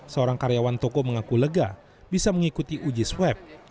seorang karyawan toko mengaku lega bisa mengikuti uji swab